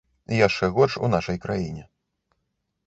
Яшчэ горш у нашай краіне.